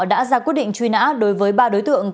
đã ra quyết định truy nã đối với ba đối tượng